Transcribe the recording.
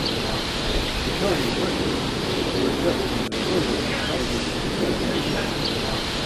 The county records are kept in the Carter County courthouse.